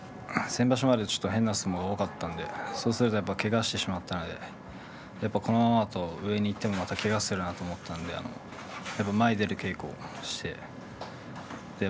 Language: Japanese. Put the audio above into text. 先場所は変な相撲が多かったのでそれで、けがをしてしまってこのあと上にいってもまたけがをするなと思って前に出る稽古をしました。